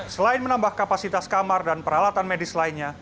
selain menambah kapasitas kamar dan peralatan medis lainnya